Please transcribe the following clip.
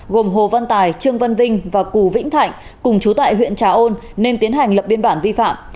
gồm hồ văn tài trương văn vinh và cù vĩnh thạnh cùng chú tại huyện trà ôn nên tiến hành lập biên bản vi phạm